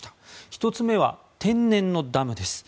１つ目は天然のダムです。